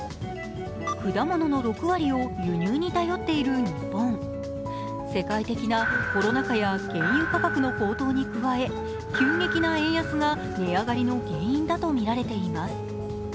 果物の６割を輸入に頼っている日本世界的なコロナ禍や原油価格の高騰に加え急激な円安が値上がりの原因だとみられています。